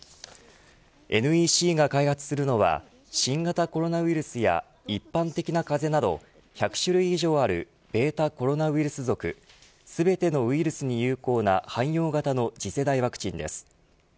ＮＥＣが開発するのは新型コロナウイルスや一般的な風邪など１００種類以上あるベータコロナウイルス属全てのウイルスに有効な汎用型の次世代ワクチンです。